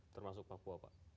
termasuk papua pak